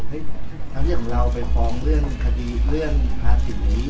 ทางที่ใหญ่ของเราไปฟ้องเรื่องคาดีเรื่องภาษี